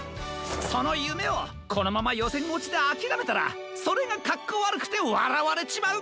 そのゆめをこのままよせんおちであきらめたらそれがかっこわるくてわらわれちまう。